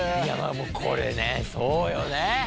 これねそうよね。